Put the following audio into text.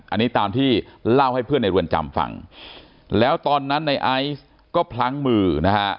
อันนี้ตามที่เล่าให้เพื่อนในเรือนจำฟังแล้วตอนนั้นในไอซ์ก็พลั้งมือนะฮะ